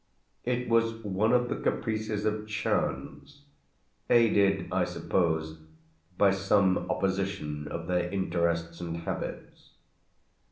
It was one of the caprices of chance, aided I suppose by some opposition of their interests and habits.